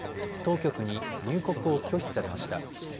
当局に入国を拒否されました。